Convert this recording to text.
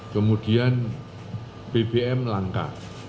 kemudian bbm langka